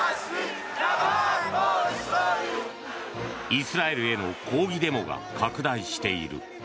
イスラエルへの抗議デモが拡大している。